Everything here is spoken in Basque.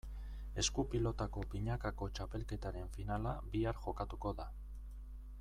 Esku-pilotako binakako txapelketaren finala bihar jokatuko da.